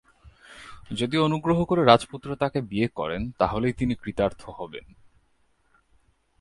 যদি অনুগ্রহ করে রাজপুত্র তাঁকে বিয়ে করেন, তাহলেই তিনি কৃতার্থ হবেন।